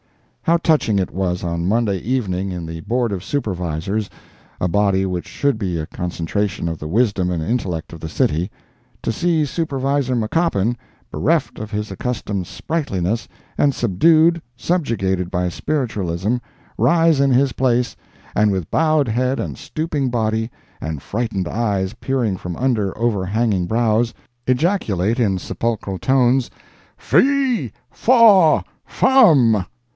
How touching it was, on Monday evening, in the Board of Supervisors—a body which should be a concentration of the wisdom and intellect of the city—to see Supervisor McCoppin, bereft of his accustomed sprightliness, and subdued, subjugated by spiritualism, rise in his place, and with bowed head, and stooping body, and frightened eyes peering from under overhanging brows, ejaculate in sepulchral tones: FEE—FAW—FUM!